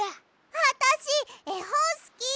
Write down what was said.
あたしえほんすき！